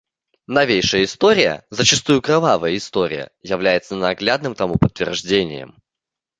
Новейшая история, зачастую кровавая история, является наглядным тому подтверждением.